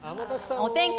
お天気